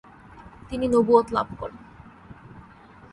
তিনি নবুয়ত লাভ করেন।